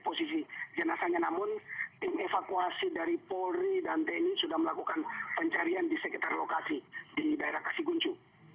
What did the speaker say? posisi jenazahnya namun tim evakuasi dari polri dan tni sudah melakukan pencarian di sekitar lokasi di daerah kasiguncu